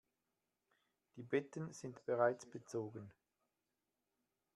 Die Betten sind bereits bezogen.